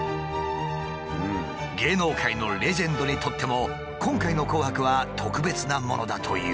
芸能界のレジェンドにとっても今回の「紅白」は特別なものだという。